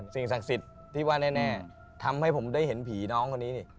สิ่งศักดิ์สิทธิ์ที่ว่าแน่ทำให้ผมได้เห็นผีน้องคนนี้นี่